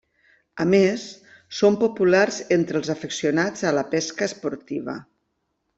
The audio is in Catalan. A més, són populars entre els afeccionats a la pesca esportiva.